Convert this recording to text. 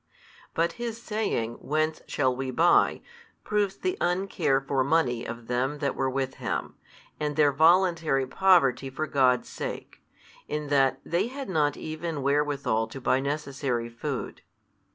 But His saying Whence shall we buy proves the uncare for money of them that were with Him, and their voluntary poverty for God's sake, in that they had not even wherewithal to buy necessary food.